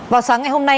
vào sáng ngày hôm nay